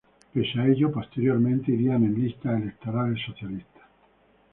Pese a ello, posteriormente irían en listas electorales socialistas.